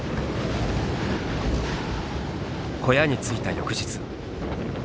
小屋に着いた翌日。